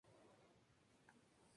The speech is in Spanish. Sala Rayuela.